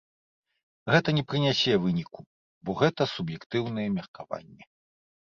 Гэта не прынясе выніку, бо гэта суб'ектыўнае меркаванне.